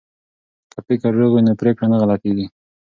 که فکر روغ وي نو پریکړه نه غلطیږي.